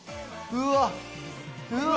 うわっ！